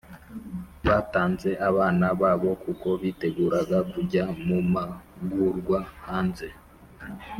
Batanze abana babo kuko biteguraga kujyA mu magurwa hanze